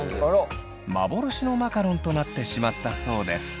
幻のマカロンとなってしまったそうです。